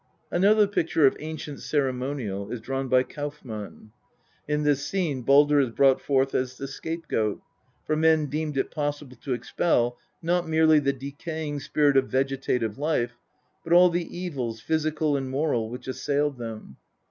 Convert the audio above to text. Another picture of ancient ceremonial is drawn by Kauffman. In this scene Baldr is brought forth as the scapegoat : for men deemed it possible to expel, not merely the decaying spirit of vegetative life, but all the evils, physical and moral, which assailed them.